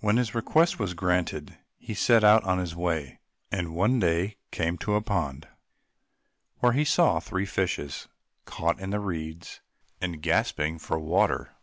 When his request was granted he set out on his way, and one day came to a pond, where he saw three fishes caught in the reeds and gasping for water.